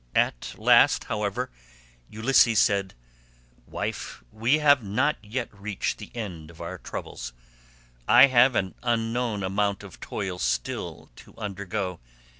At last, however, Ulysses said, "Wife, we have not yet reached the end of our troubles. I have an unknown amount of toil still to undergo.